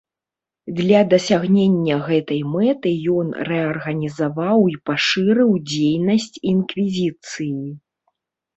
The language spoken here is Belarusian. Для дасягнення гэтай мэты ён рэарганізаваў і пашырыў дзейнасць інквізіцыі.